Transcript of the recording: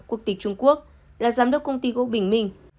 quốc tịch trung quốc là giám đốc công ty gỗ bình minh